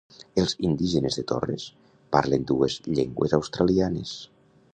Els indígenes de Torres parlen dues llengües australianes.